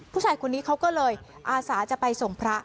ผู้ชายคนนี้เขาก็เลยอาสาจะไปส่งพระ